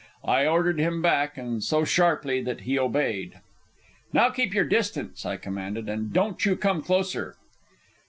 I ordered him back, and so sharply that he obeyed. "Now keep your distance," I commanded, "and don't you come closer!"